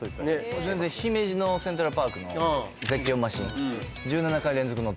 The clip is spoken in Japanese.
全然姫路のセントラルパークの絶叫マシン・えっ？